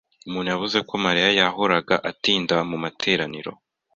Umuntu yavuze ko Mariya yahoraga atinda mu materaniro.